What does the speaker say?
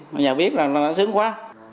mà giờ biết là sướng quá